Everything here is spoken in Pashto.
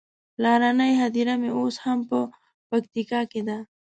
پلرنۍ هديره مې اوس هم په پکتيکا کې ده.